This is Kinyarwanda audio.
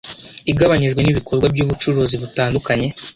igabanyijwe n’ibikorwa by’ubucuruzi butandukanye